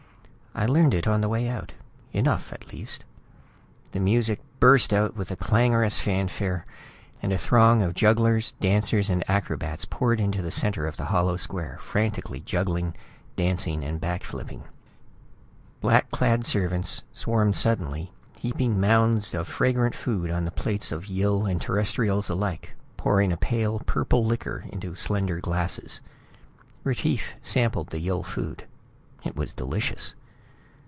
"I learned it on the way out. Enough, at least." The music burst out with a clangorous fanfare, and a throng of jugglers, dancers and acrobats poured into the center of the hollow square, frantically juggling, dancing and back flipping. Black clad servants swarmed suddenly, heaping mounds of fragrant food on the plates of Yill and Terrestrials alike, pouring a pale purple liquor into slender glasses. Retief sampled the Yill food. It was delicious.